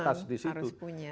memang harus punya